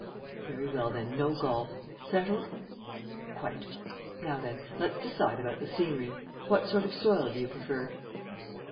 "Very well then, no golf. Settled?" "Quite. Now then, let's decide about the scenery. What sort of soil do you prefer?"